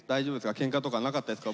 けんかとかなかったですか？